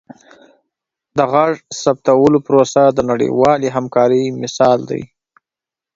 د غږ ثبتولو پروسه د نړیوالې همکارۍ مثال دی.